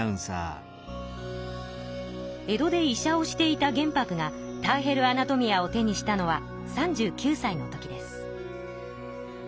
江戸で医者をしていた玄白が「ターヘル・アナトミア」を手にしたのは３９さいの時です。